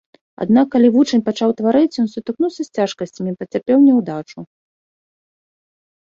Аднак калі вучань пачаў тварыць, ён сутыкнуўся з цяжкасцямі і пацярпеў няўдачу.